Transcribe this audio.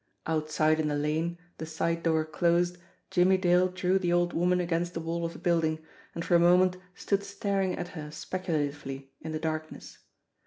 Outside in the lane, the side door closed, Jimmie Dale drew the old woman against the wall of the building, and for a moment stood staring at her speculatively in the darkness.